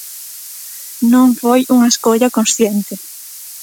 Non foi unha escolla consciente.